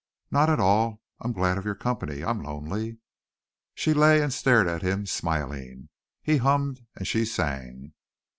"Not at all. I'm glad of your company. I'm lonely." She lay and stared at him, smiling. He hummed and she sang.